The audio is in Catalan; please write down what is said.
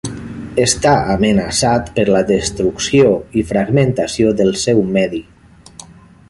Està amenaçat per la destrucció i fragmentació del seu medi.